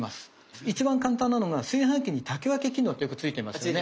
一番簡単なのが炊飯器に炊き分け機能ってよくついてますよね。